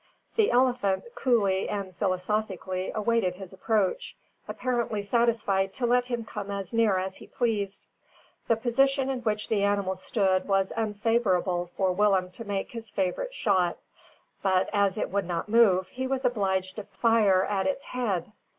The elephant, coolly and philosophically, awaited his approach, apparently satisfied to let him come as near as he pleased. The position in which the animal stood was unfavourable for Willem to make his favourite shot; but, as it would not move, he was obliged to fire at its head.